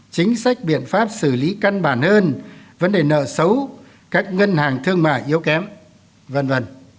chính sách biện pháp xử lý căn bản hơn vấn đề nợ xấu các ngân hàng thương mại yếu kém v v